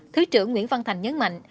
thứ trưởng nguyễn văn thành nhấn mạnh